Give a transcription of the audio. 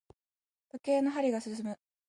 時計の針が進む。